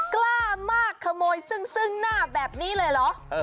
กล้ามากขโมยซึ่งหน้าแบบนี้เลยเหรอ